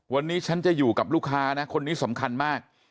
วันนี้ฉันจะอยู่กับลูกค้านะคนนี้สำคัญมาก